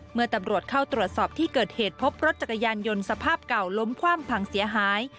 เมื่อตำรวจเข้าตรวจสอบที่เกิดเหตุพบรถจักรยานยนต์สภาพเก่าล้มคว่ำพังเสียหาย